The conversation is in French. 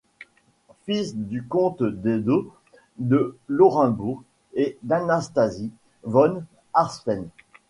Fils du comte Dedo de Laurenbourg et d'Anastasie von Arnstein.